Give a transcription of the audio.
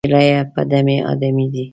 په دم پېریه، په دم آدمې دي